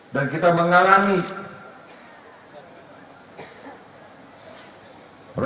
dan kita sekarang memiliki bukti bukti